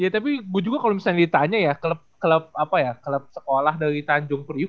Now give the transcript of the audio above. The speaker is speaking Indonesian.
iya tapi gue juga kalau misalnya ditanya ya klub klub apa ya klub sekolah dari tanjung puriu